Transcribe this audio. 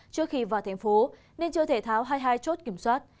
trước khi vào thành phố nên chưa thể tháo hai mươi hai chốt kiểm soát